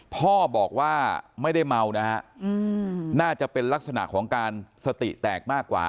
พ่อบอกว่าไม่ได้เมานะฮะน่าจะเป็นลักษณะของการสติแตกมากกว่า